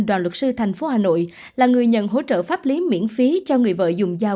đoàn luật sư thành phố hà nội là người nhận hỗ trợ pháp lý miễn phí cho người vợ dùng dao